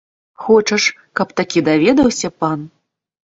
Хочаш, каб такі даведаўся пан?!